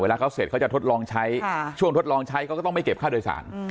เขาเสร็จเขาจะทดลองใช้ช่วงทดลองใช้เขาก็ต้องไม่เก็บค่าโดยสาร